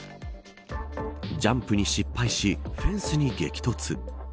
ジャンプに失敗しフェンスに激突。